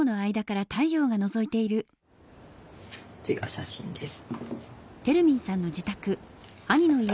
こっちが写真です。